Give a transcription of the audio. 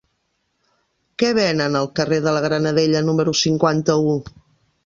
Què venen al carrer de la Granadella número cinquanta-u?